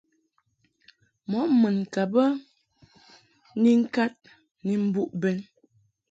Mɔʼ mun ka bə ni ŋkad ni mbuʼ bɛn.